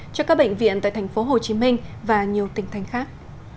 cho các bệnh viện tại thành phố hồ chí minh và nhiều tỉnh thành khác